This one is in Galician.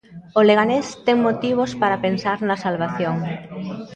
O Leganés ten motivos para pensar na salvación.